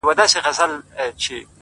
له هغې ورځې يې ښه نه دې ليدلي”